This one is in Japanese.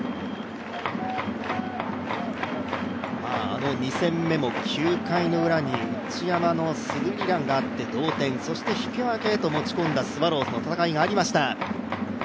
あの２戦目も９回のウラに内山のスリーランがあって同点そして引き分けへと持ち込んだスワローズの戦いがありました。